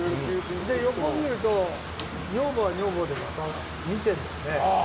横見ると、女房は女房でまた見てるんだよね。